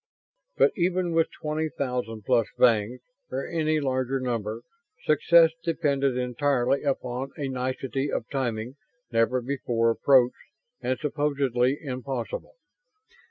But, even with twenty thousand plus Vangs or any larger number success depended entirely upon a nicety of timing never before approached and supposedly impossible.